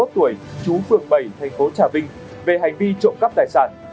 ba mươi một tuổi chú phường bảy thành phố trà vinh về hành vi trộm cắp tài sản